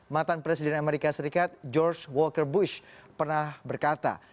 mantan presiden amerika serikat george walker bush pernah berkata